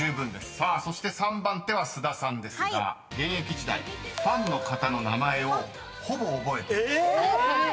［さあそして３番手は須田さんですが現役時代ファンの方の名前をほぼ覚えていた］